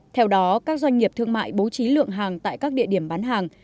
theo đó các doanh nghiệp thương mại bố trí lượng hàng tại các địa điểm bán hàng